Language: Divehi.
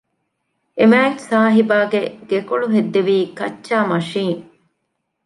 އެމާތްސާހިބާގެ ގެކޮޅު ހެއްދެވީ ކައްޗާ މަށީން